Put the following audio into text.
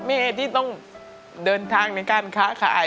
แม่ที่ต้องเดินทางในการค้าขาย